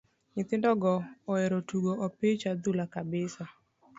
Nyithindo go oero tugo opich adhula kabisa.